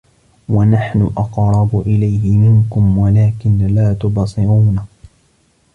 وَنَحنُ أَقرَبُ إِلَيهِ مِنكُم وَلكِن لا تُبصِرونَ